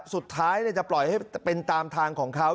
สุดท้ายจะปล่อยให้เป็นตามทางของเขา